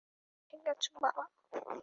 তুমি ঠিক আছো বাবা?